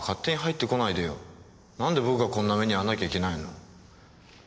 何で僕がこんな目に遭わなきゃいけないの？